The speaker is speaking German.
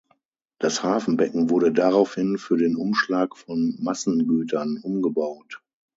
Das Hafenbecken wurde daraufhin für den Umschlag von Massengütern umgebaut.